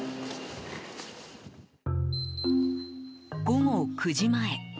午後９時前。